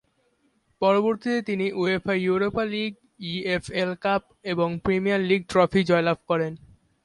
পরবর্তীতে তিনি UEFA Europa league, EFL cup এবং প্রিমিয়ার লীগ ট্রফি জয়লাভ করেন।